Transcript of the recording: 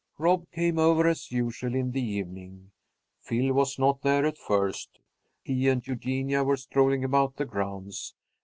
Rob came over as usual in the evening. Phil was not there at first. He and Eugenia were strolling about the grounds.